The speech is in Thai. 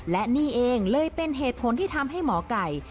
และนี่เองเลยเป็นเหตุผลที่ทำให้หมอไก่